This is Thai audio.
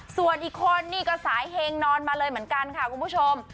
ส่วนอีกคนนี่ก็สายเฮงนอนมาเลยเหมือนกันค่ะคุณผู้ชม